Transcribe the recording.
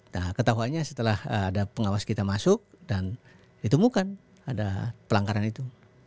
nah ketahuannya setelah ada pengawas kita masuk dan ditemukan ada pelanggaran itu